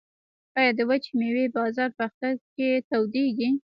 آیا د وچې میوې بازار په اختر کې تودیږي؟